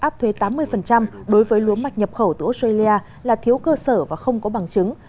áp thuế tám mươi đối với lúa mạch nhập khẩu từ australia là thiếu cơ sở và không có bằng chứng